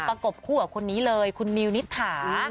ประกบคู่กับคนนี้เลยคุณมิวนิษฐา